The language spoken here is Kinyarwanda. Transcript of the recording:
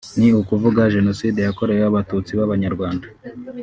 ni ukuvuga genocide yakorewe Abatutsi b’Abanyarwanda